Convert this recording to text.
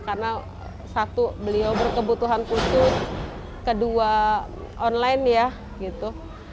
karena satu beliau berkebutuhan khusus kedua online ya gitu